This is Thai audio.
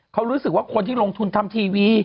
เขารู้สึกว่าคนที่ลงทุนทำทีวี